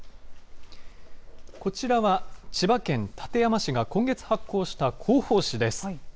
こちらは千葉県館山市が今月発行した広報誌です。